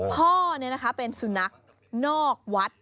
พ่อเป็นสุนัขนอกวัด